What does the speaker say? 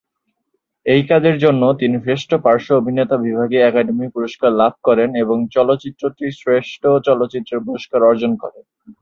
এই কাজের জন্য তিনি শ্রেষ্ঠ পার্শ্ব অভিনেতা বিভাগে একাডেমি পুরস্কার লাভ করেন এবং চলচ্চিত্রটি শ্রেষ্ঠ চলচ্চিত্রের পুরস্কার অর্জন করে।